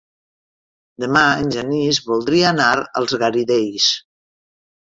Demà en Genís voldria anar als Garidells.